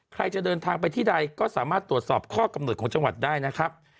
ใครจะเดินทางไปที่ใดก็สามารถตรวจสอบข้อกำหนดของจังหวัดได้นะครับ